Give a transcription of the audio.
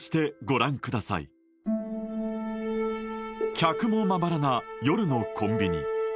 客もまばらな夜のコンビニ